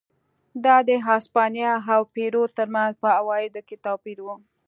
دا د هسپانیا او پیرو ترمنځ په عوایدو کې توپیر و.